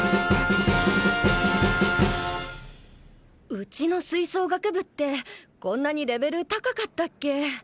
うちの吹奏楽部ってこんなにレベル高かったっけ？